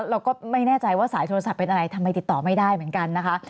เราก็ไม่แน่ใจว่าสายโทรศัพท์เป็นอะไรทำไมติดต่อไม่ได้เหมือนกันนะคะ